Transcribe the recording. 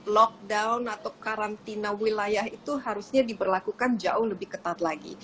lockdown atau karantina wilayah itu harusnya diberlakukan jauh lebih ketat lagi